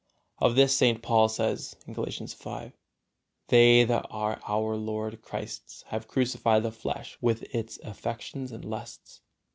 Of this St. Paul says, Galatians v, "They that are our Lord Christ's have crucified the flesh with its affections and lusts."